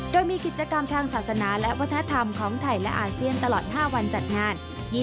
โดยมีกิจกรรมทางศาสนาและวัฒนธรรมของไทยและอาเซียนตลอด๕วันจัดงาน